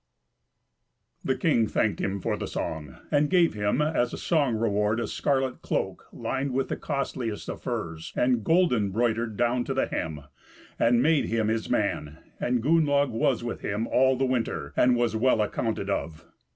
The king thanked him for the song, and gave him as song reward a scarlet cloak lined with the costliest of furs, and golden broidered down to the hem; and made him his man; and Gunnlaug was with him all the winter, and was well accounted of.